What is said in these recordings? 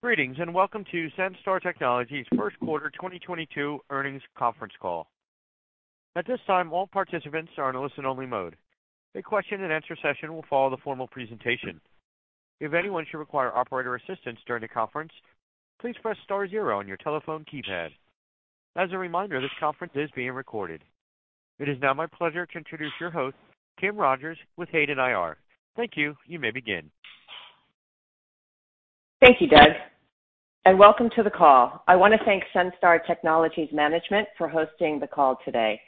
Greetings, and welcome to Senstar Technologies' first quarter 2022 earnings conference call. At this time, all participants are in listen-only mode. A question-and-answer session will follow the formal presentation. If anyone should require operator assistance during the conference, please press Star zero on your telephone keypad. As a reminder, this conference is being recorded. It is now my pleasure to introduce your host, Kim Rogers with Hayden IR. Thank you. You may begin. Thank you, Doug, and welcome to the call. I want to thank Senstar Technologies management for hosting the call today.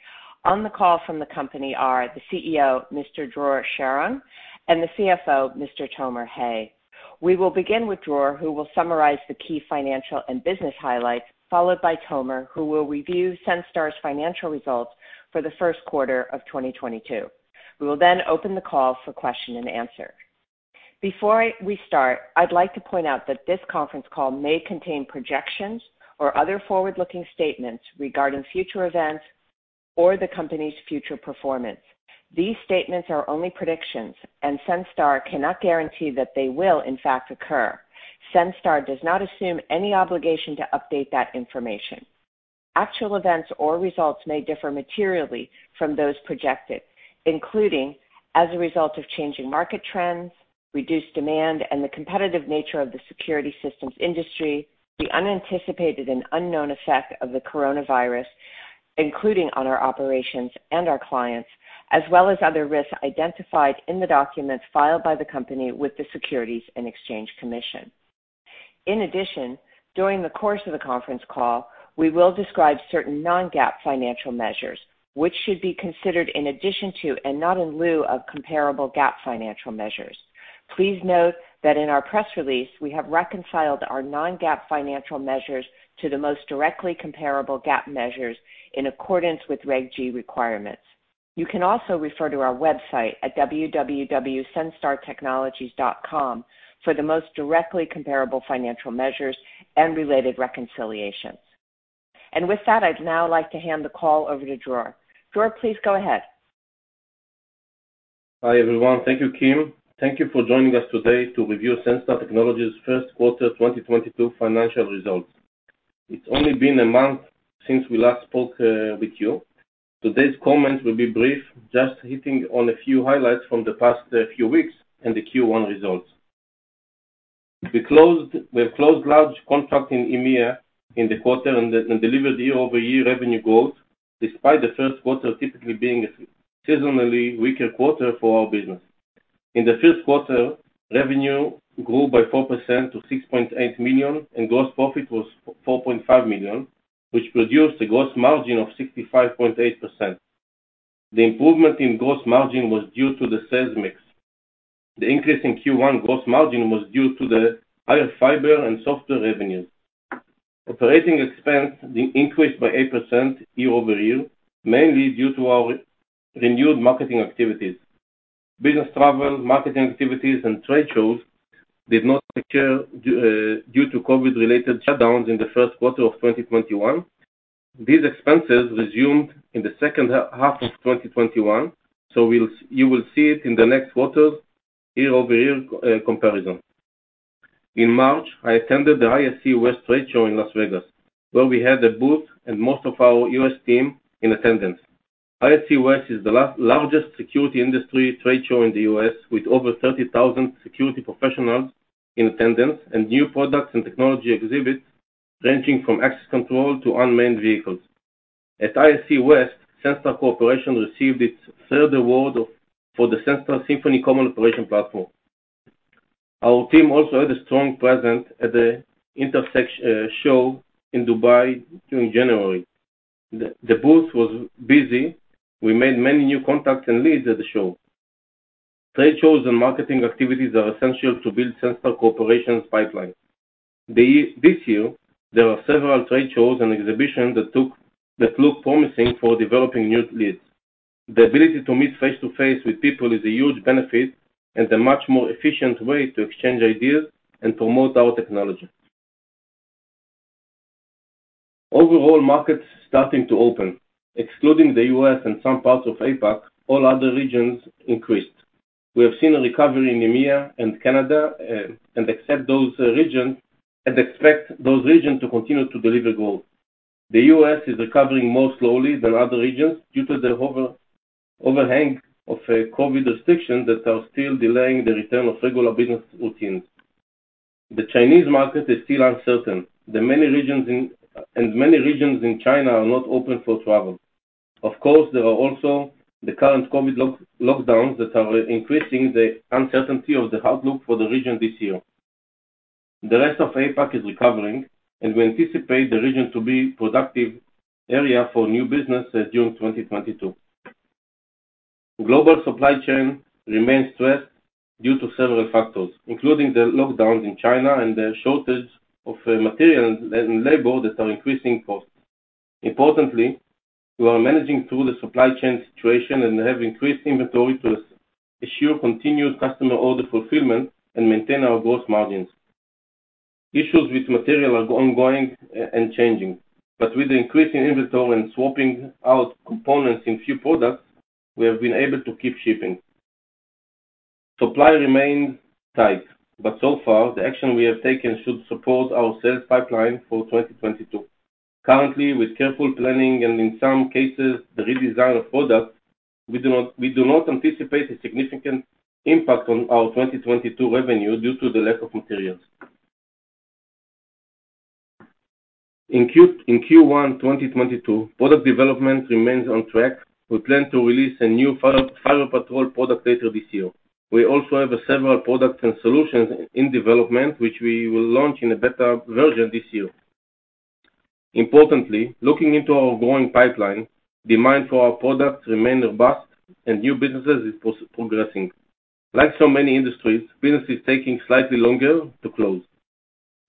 On the call from the company are the CEO, Mr. Dror Sharon, and the CFO, Mr. Tomer Hay. We will begin with Dror, who will summarize the key financial and business highlights, followed by Tomer, who will review Senstar's financial results for the first quarter of 2022. We will then open the call for question-and-answer. Before we start, I'd like to point out that this conference call may contain projections or other forward-looking statements regarding future events or the company's future performance. These statements are only predictions, and Senstar cannot guarantee that they will in fact occur. Senstar does not assume any obligation to update that information. Actual events or results may differ materially from those projected, including as a result of changing market trends, reduced demand, and the competitive nature of the security systems industry, the unanticipated and unknown effect of the coronavirus, including on our operations and our clients, as well as other risks identified in the documents filed by the company with the Securities and Exchange Commission. In addition, during the course of the conference call, we will describe certain non-GAAP financial measures, which should be considered in addition to and not in lieu of comparable GAAP financial measures. Please note that in our press release, we have reconciled our non-GAAP financial measures to the most directly comparable GAAP measures in accordance with Reg G requirements. You can also refer to our website at www.senstartechnologies.com for the most directly comparable financial measures and related reconciliations. With that, I'd now like to hand the call over to Dror. Dror, please go ahead. Hi, everyone. Thank you, Kim. Thank you for joining us today to review Senstar Technologies' first quarter 2022 financial results. It's only been a month since we last spoke with you. Today's comments will be brief, just hitting on a few highlights from the past few weeks and the Q1 results. We have closed large contract in EMEA in the quarter and delivered year-over-year revenue growth despite the first quarter typically being a seasonally weaker quarter for our business. In the first quarter, revenue grew by 4% to $6.8 million, and gross profit was $4.5 million, which produced a gross margin of 65.8%. The improvement in gross margin was due to the sales mix. The increase in Q1 gross margin was due to the higher fiber and software revenues. Operating expenses increased by 8% year-over-year, mainly due to our renewed marketing activities. Business travel, marketing activities, and trade shows did not occur due to COVID-related shutdowns in the first quarter of 2021. These expenses resumed in the second half of 2021, so you will see it in the next quarter's year-over-year comparison. In March, I attended the ISC West trade show in Las Vegas, where we had a booth and most of our U.S. team in attendance. ISC West is the largest security industry trade show in the U.S., with over 30,000 security professionals in attendance and new products and technology exhibits ranging from access control to unmanned vehicles. At ISC West, Senstar Corporation received its third award for the Senstar Symphony Common Operating Platform. Our team also had a strong presence at the Intersec show in Dubai during January. The booth was busy. We made many new contacts and leads at the show. Trade shows and marketing activities are essential to build Senstar Corporation's pipeline. This year, there are several trade shows and exhibitions that look promising for developing new leads. The ability to meet face-to-face with people is a huge benefit and a much more efficient way to exchange ideas and promote our technology. Overall, markets starting to open. Excluding the U.S. and some parts of APAC, all other regions increased. We have seen a recovery in EMEA and Canada, and expect those regions to continue to deliver growth. The U.S. is recovering more slowly than other regions due to the overhang of COVID restrictions that are still delaying the return of regular business routines. The Chinese market is still uncertain. Many regions in China are not open for travel. Of course, there are also the current COVID lockdowns that are increasing the uncertainty of the outlook for the region this year. The rest of APAC is recovering, and we anticipate the region to be productive area for new business during 2022. Global supply chain remains stressed due to several factors, including the lockdowns in China and the shortage of materials and labor that are increasing costs. Importantly, we are managing through the supply chain situation and have increased inventory to assure continuous customer order fulfillment and maintain our gross margins. Issues with material are ongoing and changing, but with the increase in inventory and swapping out components in few products, we have been able to keep shipping. Supply remains tight, but so far the action we have taken should support our sales pipeline for 2022. Currently, with careful planning and in some cases the redesign of products, we do not anticipate a significant impact on our 2022 revenue due to the lack of materials. In Q1 2022, product development remains on track. We plan to release a new FiberPatrol product later this year. We also have several products and solutions in development, which we will launch in a better version this year. Importantly, looking into our growing pipeline, demand for our products remain robust and new businesses is progressing. Like so many industries, business is taking slightly longer to close.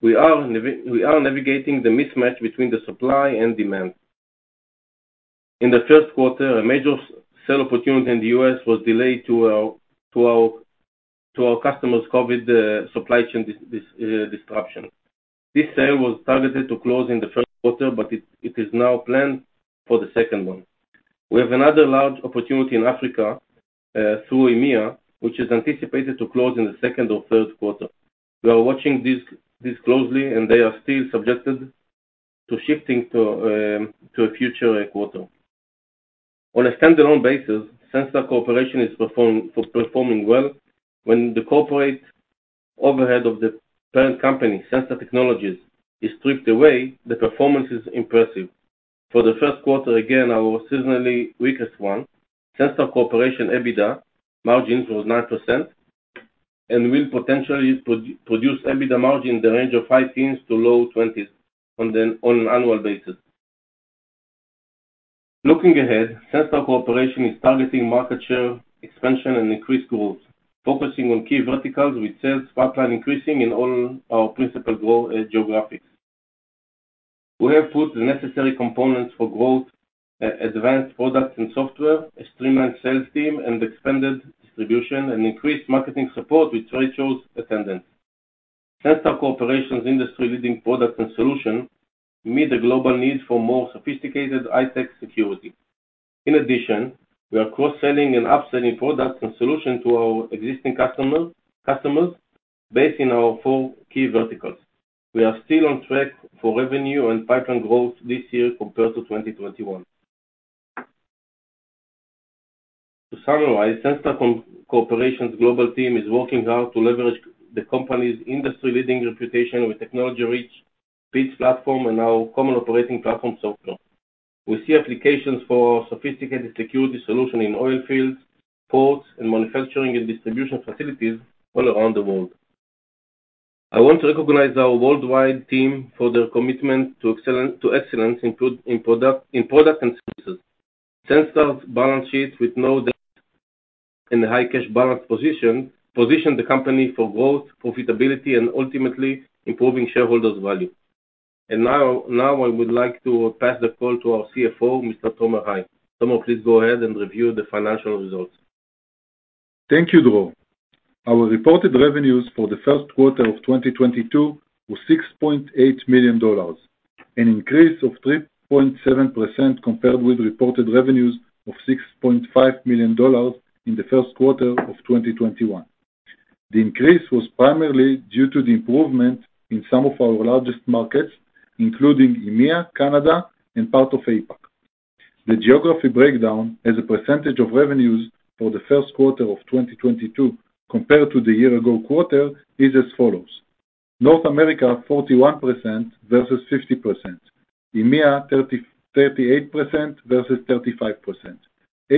We are navigating the mismatch between the supply and demand. In the first quarter, a major sale opportunity in the U.S. was delayed due to our customer's COVID supply chain disruption. This sale was targeted to close in the first quarter, but it is now planned for the second one. We have another large opportunity in Africa through EMEA, which is anticipated to close in the second or third quarter. We are watching this closely, and they are still subject to shifting to a future quarter. On a standalone basis, Senstar Corporation is performing well. When the corporate overhead of the parent company, Senstar Technologies, is stripped away, the performance is impressive. For the first quarter, again, our seasonally weakest one, Senstar Corporation EBITDA margins was 9% and will potentially produce EBITDA margin in the range of high teens to low 20s on an annual basis. Looking ahead, Senstar Corporation is targeting market share expansion and increased growth, focusing on key verticals with sales pipeline increasing in all our principal geographies. We have put the necessary components for growth, advanced products and software, a streamlined sales team, and expanded distribution and increased marketing support with trade shows attendance. Senstar Corporation's industry-leading products and solution meet the global needs for more sophisticated high-tech security. In addition, we are cross-selling and upselling products and solution to our existing customers based in our four key verticals. We are still on track for revenue and pipeline growth this year compared to 2021. To summarize, Senstar Corporation's global team is working hard to leverage the company's industry-leading reputation with technology reach, PIDS platform, and now Common Operating Platform software. We see applications for our sophisticated security solution in oil fields, ports, and manufacturing and distribution facilities all around the world. I want to recognize our worldwide team for their commitment to excellence in product and services. Senstar's balance sheet with no debt and a high cash balance position the company for growth, profitability, and ultimately improving shareholders' value. Now I would like to pass the call to our CFO, Mr. Tomer Hay. Tomer, please go ahead and review the financial results. Thank you, Dror. Our reported revenues for the first quarter of 2022 was $6.8 million, an increase of 3.7% compared with reported revenues of $6.5 million in the first quarter of 2021. The increase was primarily due to the improvement in some of our largest markets, including EMEA, Canada, and part of APAC. The geography breakdown as a percentage of revenues for the first quarter of 2022 compared to the year ago quarter is as follows: North America 41% versus 50%, EMEA 38% versus 35%,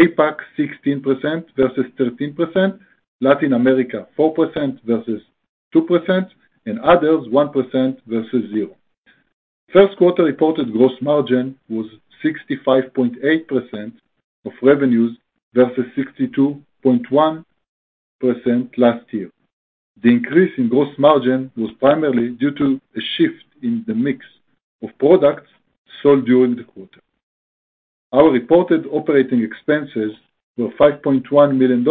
APAC 16% versus 13%, Latin America 4% versus 2%, and others 1% versus 0%. First quarter reported gross margin was 65.8% of revenues versus 62.1% last year. The increase in gross margin was primarily due to a shift in the mix of products sold during the quarter. Our reported operating expenses were $5.1 million,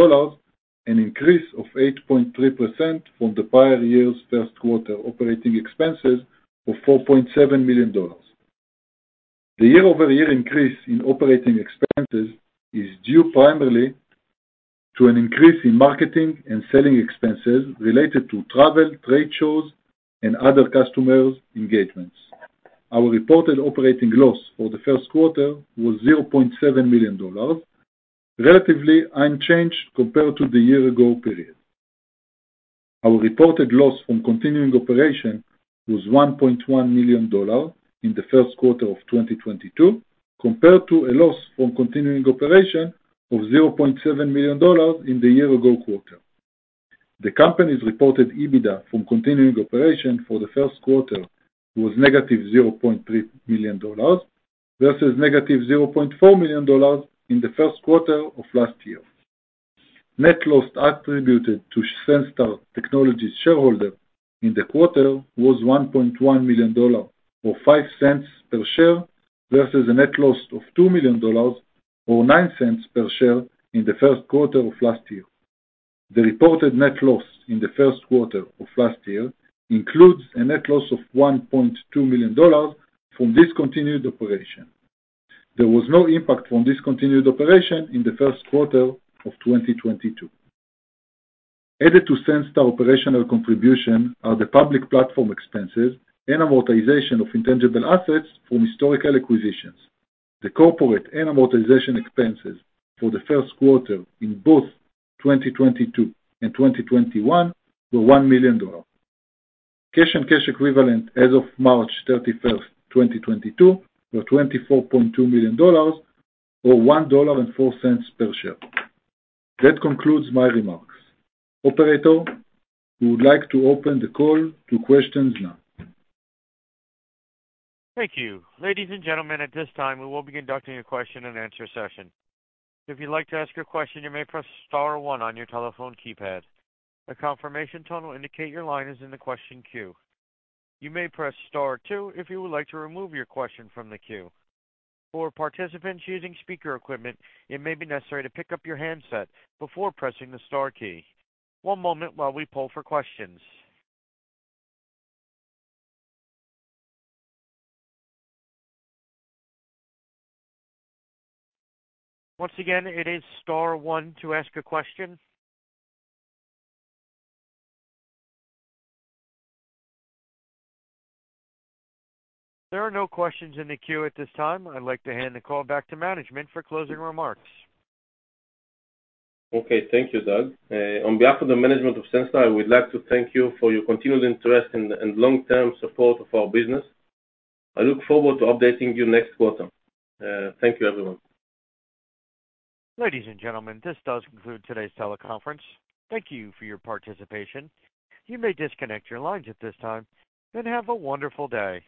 an increase of 8.3% from the prior year's first quarter operating expenses of $4.7 million. The year-over-year increase in operating expenses is due primarily to an increase in marketing and selling expenses related to travel, trade shows, and other customer engagements. Our reported operating loss for the first quarter was $0.7 million, relatively unchanged compared to the year-ago period. Our reported loss from continuing operations was $1.1 million in the first quarter of 2022, compared to a loss from continuing operations of $0.7 million in the year-ago quarter. The company's reported EBITDA from continuing operations for the first quarter was -$0.3 million, versus -$0.4 million in the first quarter of last year. Net loss attributable to Senstar Technologies shareholders in the quarter was $1.1 million or $0.05 per share, versus a net loss of $2 million or $0.09 per share in the first quarter of last year. The reported net loss in the first quarter of last year includes a net loss of $1.2 million from discontinued operations. There was no impact from this discontinued operations in the first quarter of 2022. Added to Senstar's operational contribution are the public platform expenses and amortization of intangible assets from historical acquisitions. The corporate and amortization expenses for the first quarter in both 2022 and 2021 were $1 million. Cash and cash equivalents as of March 31st, 2022, were $24.2 million, or $1.04 per share. That concludes my remarks. Operator, we would like to open the call to questions now. Thank you. Ladies and gentlemen, at this time, we will be conducting a question-and-answer session. If you'd like to ask your question, you may press Star one on your telephone keypad. A confirmation tone will indicate your line is in the question queue. You may press Star two if you would like to remove your question from the queue. For participants using speaker equipment, it may be necessary to pick up your handset before pressing the Star key. One moment while we pull for questions. Once again, it is Star one to ask a question. There are no questions in the queue at this time. I'd like to hand the call back to management for closing remarks. Okay. Thank you, Doug. On behalf of the management of Senstar, I would like to thank you for your continued interest and long-term support of our business. I look forward to updating you next quarter. Thank you, everyone. Ladies and gentlemen, this does conclude today's teleconference. Thank you for your participation. You may disconnect your lines at this time, and have a wonderful day.